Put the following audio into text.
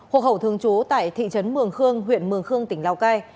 học hậu thường trú tại thị trấn mường khương huyện mường khương tỉnh lào cai